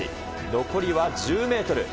残りは１０メートル。